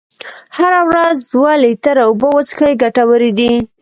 هره ورځ دوه لیتره اوبه وڅښئ ګټورې دي.